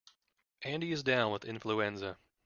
Andy is down with influenza.